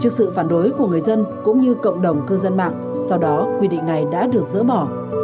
trước sự phản đối của người dân cũng như cộng đồng cư dân mạng sau đó quy định này đã được dỡ bỏ